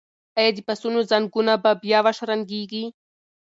ایا د پسونو زنګونه به بیا وشرنګیږي؟